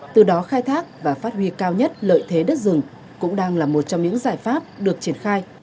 từ đó khai thác và phát huy cao nhất lợi thế đất rừng cũng đang là một trong những giải pháp được triển khai